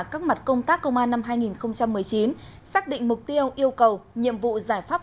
các mặt công tác công an năm hai nghìn một mươi chín xác định mục tiêu yêu cầu nhiệm vụ giải pháp